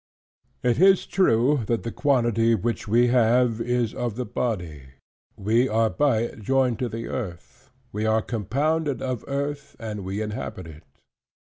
It is true, that the quantity which we have, is of the body: we are by it joined to the earth: we are compounded of earth; and we inhabit it.